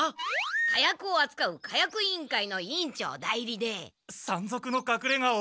火薬をあつかう火薬委員会の委員長代理で山賊のかくれがを。